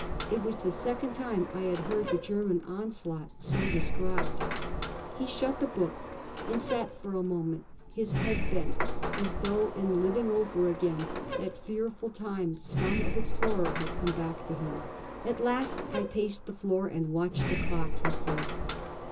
It was the second time I had heard the German onslaught so described. He shut the book and sat for a moment, his head bent, as though in living over again that fearful time some of its horror had come back to him. At last: "I paced the floor and watched the clock," he said.